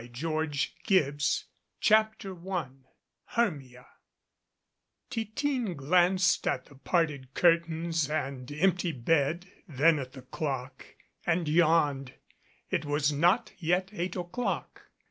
204 MADCAP CHAPTER I HERMIA TITINE glanced at the parted curtains and empty bed, then at the clock, and yawned. It was not yet eight o'clock.